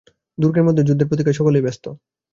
দুর্গের মধ্যে যুদ্ধের প্রতীক্ষায় সকলেই ব্যস্ত।